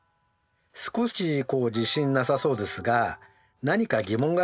少しこう自信なさそうですが何か疑問がありますか？